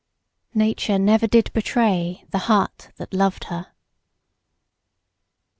"Nature never did betray The heart that loved her."